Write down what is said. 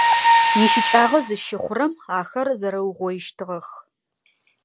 ИщыкӀагъэ зыщыхъурэм ахэр зэрэугъоищтыгъэх.